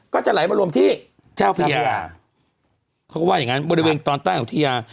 ก็จะไหลมารวมที่เจ้าพญาเขาก็ว่าอย่างงั้นบริเวณตอนใต้อุทยา